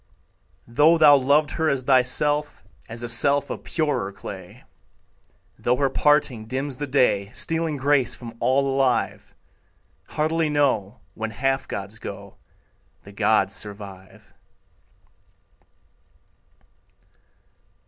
Though thou loved her as thyself, As a self of purer clay, Though her parting dims the day, Stealing grace from all alive; Heartily know, When half gods go, The gods survive.